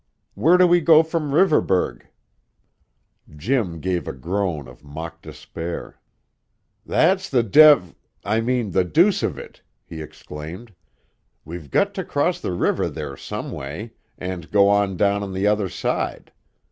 Where do we go from Riverburgh?" Jim gave a groan of mock despair. "That's the dev I mean, the deuce of it!" he exclaimed. "We've got to cross the river there someway, and go on down on the other side.